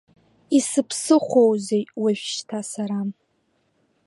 Исыԥсыхәоузеи уажәшьҭа сара?